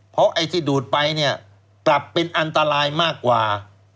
เพราะไอ้ที่ดูดไปเนี่ยปรับเป็นอันตรายมากกว่า